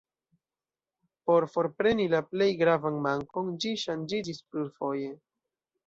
Por forpreni la plej gravan mankon ĝi ŝanĝiĝis plurfoje.